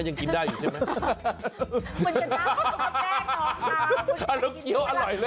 ยังกินได้อยู่ใช่ไหมมันจะน้ำกลัวแจกหรออร่อยเลย